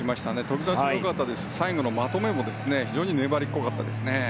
飛び出しも良かったですし最後のまとめも非常に粘りっこかったですね。